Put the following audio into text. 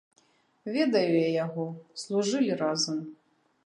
Ведаю я яго, служылі разам.